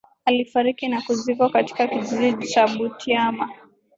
Alifariki na kuzikwa katika kijiji cha Butiama